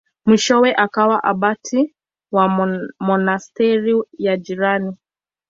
Mwishowe akawa abati wa monasteri ya jirani.